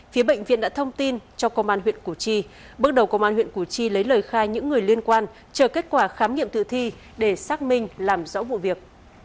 phía bệnh viện đã thông tin cho công an huyện củ chi bước đầu công an huyện củ chi lấy lời khai những người liên quan chờ kết quả khám nghiệm tử thi để xác minh làm rõ vụ việc